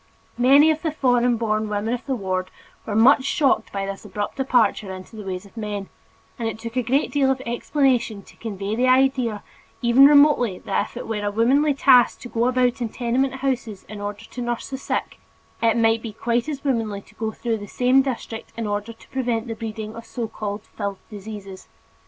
Many of the foreign born women of the ward were much shocked by this abrupt departure into the ways of men, and it took a great deal of explanation to convey the idea even remotely that if it were a womanly task to go about in tenement houses in order to nurse the sick, it might be quite as womanly to go through the same district in order to prevent the breeding of so called "filth diseases."